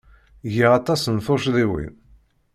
Giɣ aṭas n tuccḍiwin.